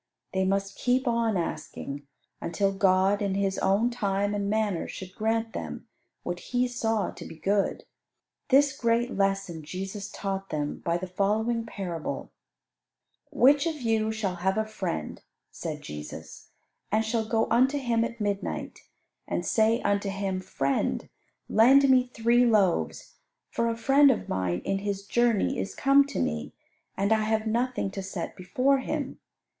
They must keep on asking, until God in His own time and manner should grant them what He saw to be good. This great lesson Jesus taught them by the following parable: "Which of you shall have a friend," said Jesus, "and shall go unto him at midnight, and say unto him, Friend, lend me three loaves, for a friend of mine in his journey is come to me, and I have nothing to set before him?